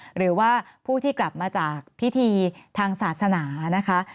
หรือว่าผู้ที่กลับมาจากพิธีทางศาสนานะคะ